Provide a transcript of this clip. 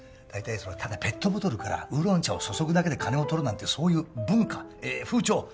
だいたいただペットボトルからウーロン茶を注ぐだけで金を取るなんてそういう文化風潮